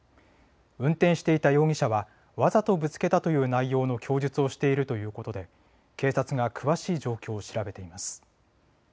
運転していた容疑者はわざとぶつけたという内容の供述をしているということで警察が詳しい状況を調べています。